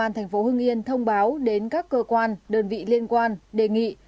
công an thành phố hưng yên thông báo đến các cơ quan đơn vị liên quan đề nghị